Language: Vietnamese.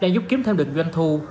đã giúp kiếm thêm được doanh thu